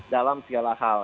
dalam segala hal